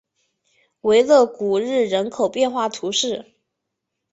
维勒古日人口变化图示